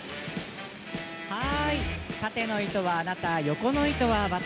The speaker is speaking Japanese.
縦の糸はあなた横の糸は私。